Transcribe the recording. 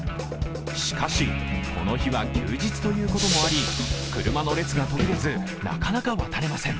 しかし、この日は休日ということもあり車の列が途切れず、なかなか渡れません。